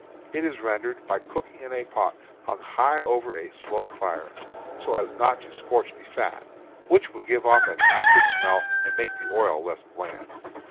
It is rendered by cooking in a pot hung high over a slow fire, so as not to scorch the fat, which would give off an acrid smell and make the oil less bland.